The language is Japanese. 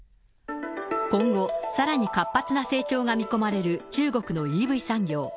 今後、さらに活発な成長が見込まれる中国のＥＶ産業。